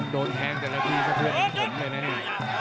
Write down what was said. โดนแทงแต่ละทีก็เพื่อนของผมเลยนะเนี่ย